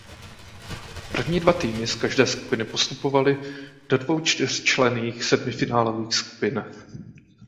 První dva týmy z každé skupiny postupovaly do dvou čtyřčlenných semifinálových skupin.